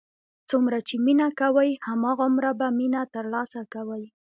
څومره چې مینه کوې، هماغومره به مینه تر لاسه کوې.